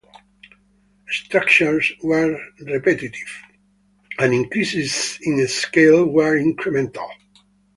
Structures were repetitive, and increases in scale were incremental.